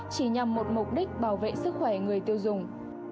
chỉ nhằm một mục đích bảo vệ sức khỏe người tiêu dùng